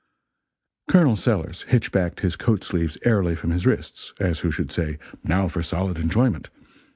Col. Sellers hitched back his coat sleeves airily from his wrists as who should say "Now for solid enjoyment!"